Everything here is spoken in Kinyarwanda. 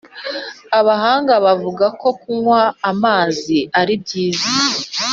Abahanga bavuga ko kunywa amazi ari byiza